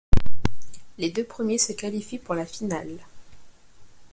Les deux premiers se qualifient pour la finale.